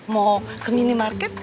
mau ke minimarket